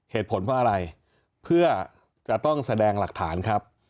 เหตุผลเพราะอะไรเพื่อจะต้องแสดงหลักฐานครับ